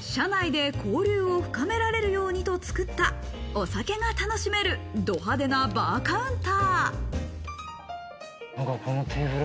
社内で交流を深められるようにと作った、お酒が楽しめる、ど派手なバーカウンター。